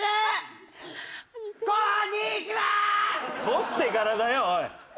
取ってからだよおい。